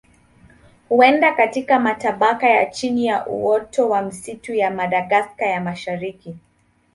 Huenda katika matabaka ya chini ya uoto wa misitu ya Madagaska ya Mashariki.